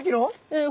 うん。